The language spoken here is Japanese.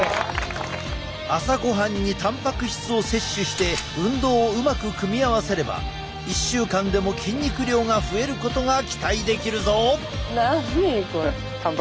朝ごはんにたんぱく質を摂取して運動をうまく組み合わせれば１週間でも筋肉量が増えることが期待できるぞ！